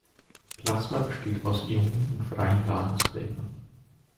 Plasma besteht aus Ionen und freien Ladungsträgern.